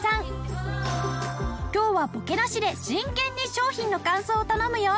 今日はボケなしで真剣に商品の感想を頼むよ。